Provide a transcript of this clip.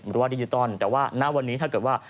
หรือว่าดิจิตอลแต่ว่าณวันนี้ถ้าเกิดว่า